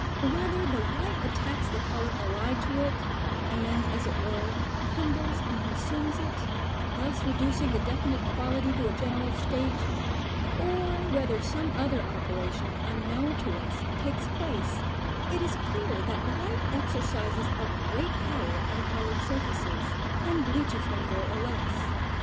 Whether the light attacks the colour allied to it, and, as it were, kindles and consumes it, thus reducing the definite quality to a general state, or whether some other operation, unknown to us, takes place, it is clear that light exercises a great power on coloured surfaces, and bleaches them more or less.